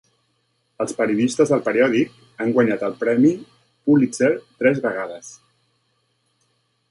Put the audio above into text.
Els periodistes del periòdic han guanyat el premi Pulitzer tres vegades.